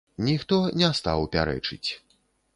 Ніхто не стаў пярэчыць.